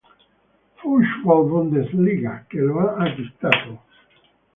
Fußball-Bundesliga, che lo ha acquistato.